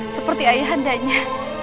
seperti ayah andanya